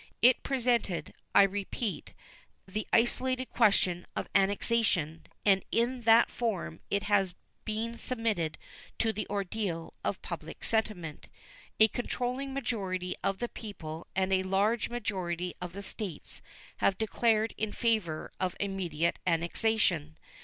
It presented, I repeat, the isolated question of annexation, and in that form it has been submitted to the ordeal of public sentiment. A controlling majority of the people and a large majority of the States have declared in favor of immediate annexation.